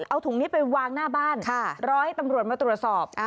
เอาถุงนี้ไปวางหน้าบ้านรอให้ตำรวจมาตรวจสอบ